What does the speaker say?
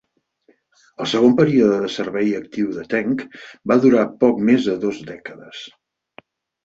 El segon període de servei actiu de "Tench" va durar poc més de dos dècades.